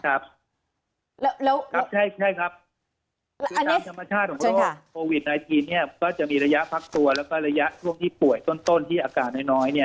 ครับใช่ครับคือตามธรรมชาติของโรคโควิด๑๙เนี่ยก็จะมีระยะพักตัวแล้วก็ระยะช่วงที่ป่วยต้นที่อาการน้อยเนี่ย